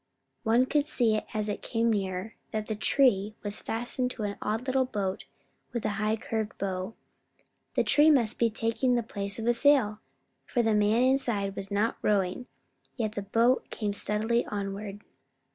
one could see as it came nearer that the tree was fastened into an odd little boat with a high curved bow. The tree must be taking the place of a sail, for the man inside was not rowing, yet the boat came steadily onward.